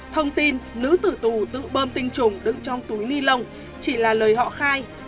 thông tin nữ tử tù tự bơm tinh chủng đứng trong túi ni lông chỉ là lời họ khai